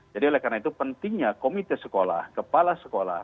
jadi oleh karena itu pentingnya komite sekolah kepala sekolah